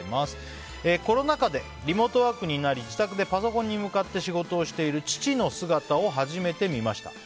コロナ禍でリモートワークになり自宅でパソコンに向かって仕事をしている父の姿を初めて見ました。